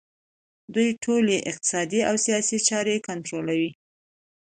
دوی ټولې اقتصادي او سیاسي چارې کنټرولوي